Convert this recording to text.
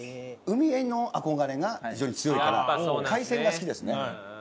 海への憧れが非常に強いから海鮮が好きですね。